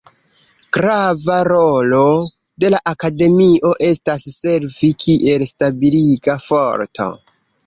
Grava rolo de la Akademio estas servi kiel stabiliga forto.